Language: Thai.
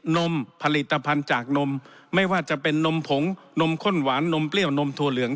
นมผลิตภัณฑ์จากนมไม่ว่าจะเป็นนมผงนมข้นหวานนมเปรี้ยวนมถั่วเหลือง